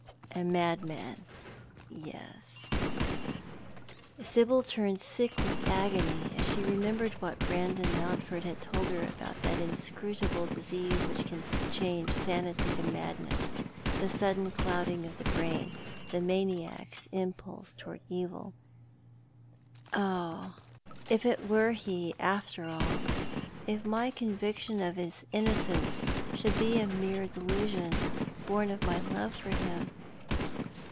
" A madman, yes !" Sibyl turned sick with agony as she remembered what Brandon Mountford had told her about that inscrutable disease which can change sanity to madness, the sudden clouding of the brain, the maniac's impulse towards evil. " Oh, if it were he, after all ! If my conviction of his innocence should be a mere delusion, born of my love for him